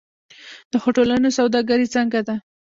د هوټلونو سوداګري څنګه ده؟